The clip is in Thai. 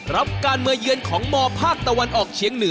รับการมาเยือนของมภาคตะวันออกเชียงเหนือ